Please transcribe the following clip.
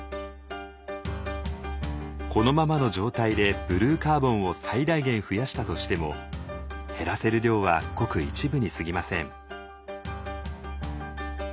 このままの状態でブルーカーボンを最大限増やしたとしても減らせる量はごく一部にすぎません。